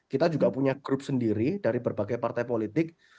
kita juga punya grup sendiri dari berbagai partai politik